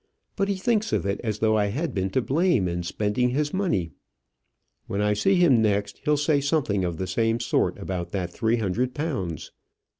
But he thinks of it as though I had been to blame in spending his money. When I see him next, he'll say something of the same sort about that three hundred pounds.